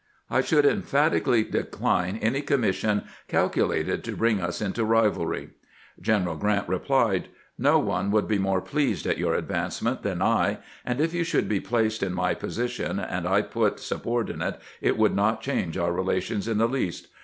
I should emphatically decline any commission calculated to bring us into rivalry. ..." General Grant replied :" No one would be more pleased at your advancement than I, and if you should be placed in my position and I put subordinate, it would not change our relations in the least.